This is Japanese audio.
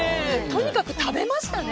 とにかく食べましたね。